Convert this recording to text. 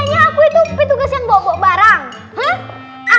yang punya pesawat pesawat siapa